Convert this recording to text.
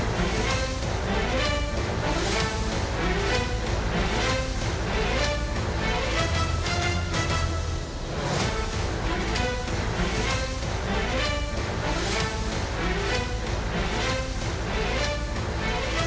สวัสดีครับ